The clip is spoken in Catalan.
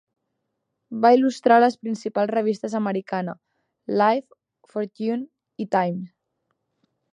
Va il·lustrar les principals revistes americanes: "Life", "Fortune" i "Time".